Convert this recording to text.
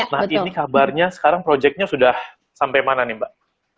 nah ini kabarnya sekarang proyeknya sudah sampai mana nih mbak